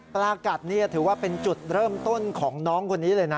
ปลากัดนี่ถือว่าเป็นจุดเริ่มต้นของน้องคนนี้เลยนะ